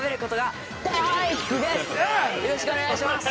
よろしくお願いします。